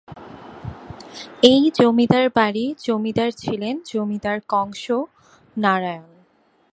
এই জমিদার বাড়ির জমিদার ছিলেন জমিদার কংস নারায়ণ।